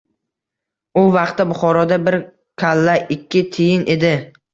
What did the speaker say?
U vaqtda Buxoroda bir kallaikkitiyin edi